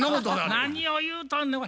何を言うとんねんお前。